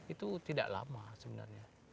itu tidak lama sebenarnya